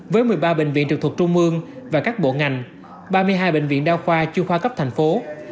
với một mươi ba bệnh viện trực thuộc trung mương và các bộ ngành ba mươi hai bệnh viện đa khoa chuyên khoa cấp thành phố